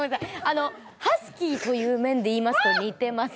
ハスキーという面でいいますと似てます。